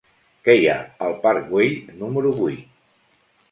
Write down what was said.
Què hi ha al parc Güell número vuit?